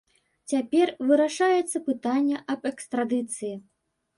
Цяпер вырашаецца пытанне аб экстрадыцыі.